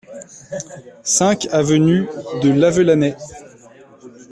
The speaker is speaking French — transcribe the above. cinq avenue de Lavelanet